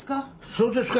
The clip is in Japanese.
「そうですか」